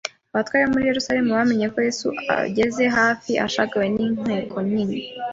Abatware bari muri Yerusalemu bamenya ko Yesu ageze hafi ashagawe n'inteko nini.